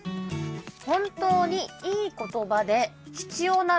「本当にいい言葉で必要ならば残る」。